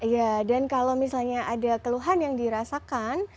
ya dan kalau misalnya ada keluhan yang dirasakan